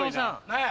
何や？